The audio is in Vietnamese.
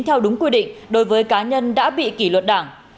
theo đúng quy định đối với cá nhân đã bị kỷ luật đảng